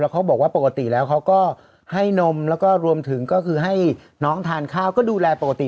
เขาบอกว่าปกติแล้วเขาก็ให้นมแล้วก็รวมถึงก็คือให้น้องทานข้าวก็ดูแลปกติ